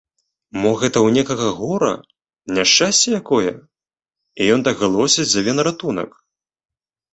Мо гэта ў некага гора, няшчасце якое, і ён так галосіць, заве на ратунак?